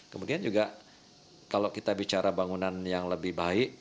kemudian juga kalau kita bicara bangunan yang lebih baik